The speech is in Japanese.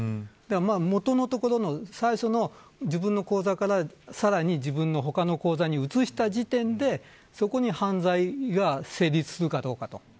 元のところの最初の自分の口座からさらに他の自分の口座に移した時点でそこに犯罪が成立するかどうかと。